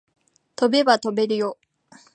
飛べば飛べるよ